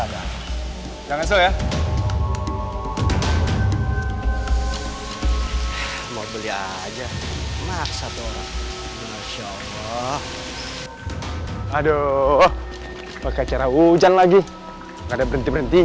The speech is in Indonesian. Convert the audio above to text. ada yang ngesel ya mau beli aja maksa tuhan masya allah aduh pakai cara hujan lagi ada berhenti berhenti